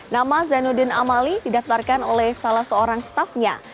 nama zainuddin amali didaftarkan oleh salah seorang staffnya